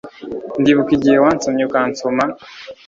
Ndibuka igihe wansomye ukansoma